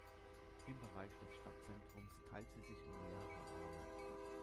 Im Bereich des Stadtzentrums teilt sie sich in mehrere Arme.